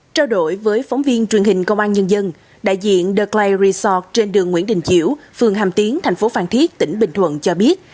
trao đổi với phóng viên truyền hình công an nhân dân đại diện the clay resort trên đường nguyễn đình chiểu phường hàm tiến thành phố phan thiết tỉnh bình thuận cho biết